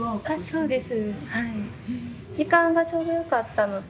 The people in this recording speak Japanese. そうです。